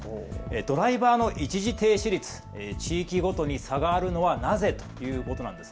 ドライバーの一時停止率、地域ごとに差があるのはなぜ？ということなんです。